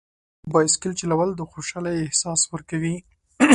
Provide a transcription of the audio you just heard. بایسکل چلول د خوشحالۍ احساس ورکوي.